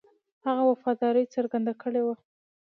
هغه وفاداري څرګنده کړې وه.